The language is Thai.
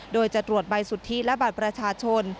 โดยจะตรวจใบสุทธิและบัตรประชาชน